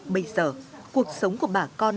bây giờ cuộc sống của bà con